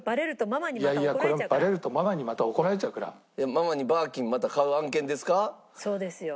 ママにバーキンまた買う案件ですか？